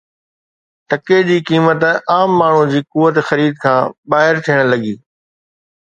ٽڪي جي قيمت عام ماڻهوءَ جي قوت خرید کان ٻاهر ٿيڻ لڳي